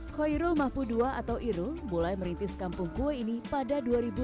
hoirul mahpudua atau iru mulai merintis kampung kue ini pada dua ribu lima